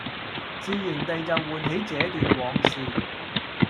自然地就喚起這段往事